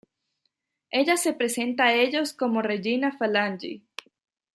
Ella se presenta a ellos como Regina Falange.